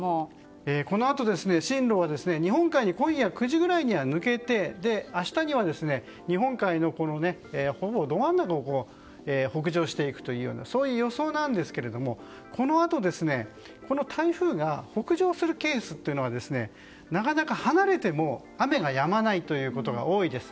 このあと進路は日本海に今夜９時ぐらいには抜けて明日には日本海のほぼど真ん中を北上していくそういう予想なんですけども台風が北上するケースというのはなかなか離れても雨がやまないということが多いです。